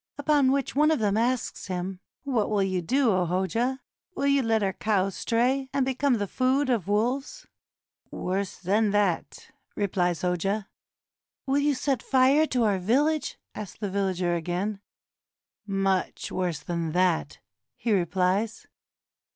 Upon which one of them asks him, "What will you do, O Hoja? Will you let our cows stray, and become the food of wolves?" "Worse than that," replies the Hoja. "Will you set fire to our village?" asks the villager again. "Much worse than that," he replies.